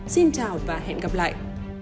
xin chào và hẹn gặp lại